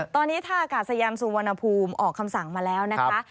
ตอนนี้ท่ากาศยานสุวรรณภูมิออกคำสั่งมาแล้วนะคะ